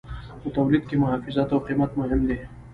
په تولید کې محافظت او قیمت مهم دي.